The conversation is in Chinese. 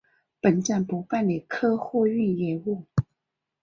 本站不办理客货运业务。